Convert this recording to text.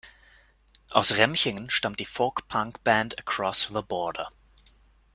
Aus Remchingen stammt die Folk-Punk-Band Across the Border.